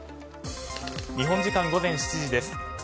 日本時間午前７時です。